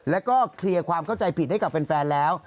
แล้วก็เคลียร์ความเข้าใจผิดให้กับแฟนแล้ว